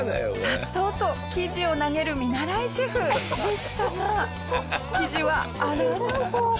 颯爽と生地を投げる見習いシェフでしたが生地はあらぬ方向へ。